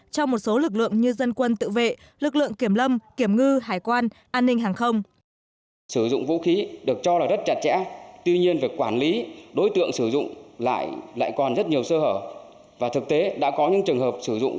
trong một số lực lượng như dân quân tự vệ lực lượng kiểm lâm kiểm ngư hải quan an ninh hàng không